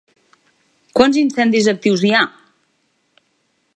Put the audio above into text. Quants incendis actius hi ha?